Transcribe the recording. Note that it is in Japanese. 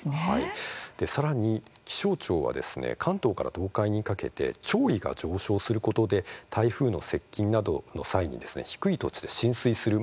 さらに、気象庁は関東から東海にかけて潮位が上昇することで台風の接近などの際に低い土地で浸水する。